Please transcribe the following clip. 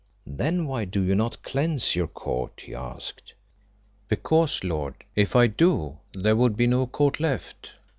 "Then why do you not cleanse your court?" he asked. "Because, lord, if I did so there would be no court left.